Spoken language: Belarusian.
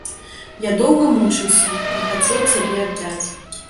Я доўга мучыўся, не хацеў цябе аддаць.